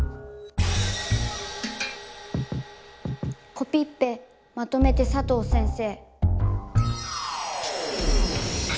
コピッペまとめてサトウ先生！